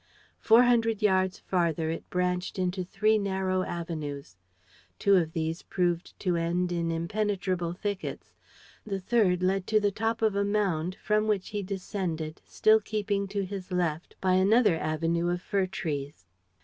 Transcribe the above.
Four hundred yards farther it branched into three narrow avenues. Two of these proved to end in impenetrable thickets. The third led to the top of a mound, from which he descended, still keeping to his left, by another avenue of fir trees.